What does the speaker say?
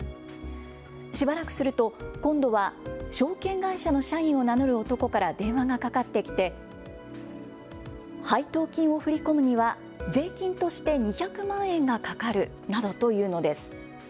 しばらくすると今度は証券会社の社員を名乗る男から電話がかかってきて配当金を振り込むには税金として２００万円がかかるなどと言うのです。